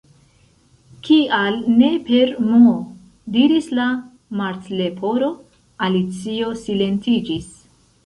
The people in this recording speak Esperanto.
"Kial ne per M?" diris la Martleporo. Alicio silentiĝis.